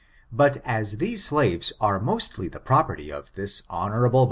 But as these slaves are mostly the property of this honorable